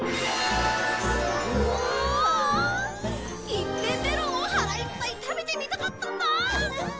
いっぺんメロンを腹いっぱい食べてみたかったんだ。